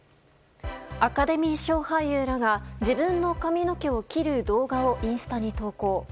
アカデミー賞俳優らが自分の髪の毛を切る動画をインスタに投稿。